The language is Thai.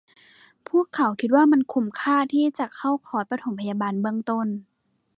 พวกเขาคิดว่ามันคุ้มค่าที่จะเข้าคอร์สปฐมพยาบาลเบื้องต้น